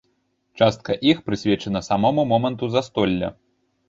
Частка іх прысвечана самому моманту застолля.